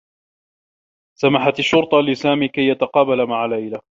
سمحت الشّرطة لسامي كي يتقابل مع ليلي.